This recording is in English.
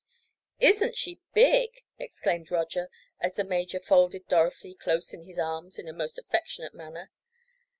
"Isn't she big!" exclaimed Roger, as the major folded Dorothy close in his arms in a most affectionate manner.